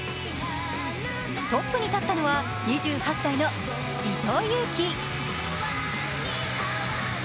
トップに立ったのは、２８歳の伊藤有希。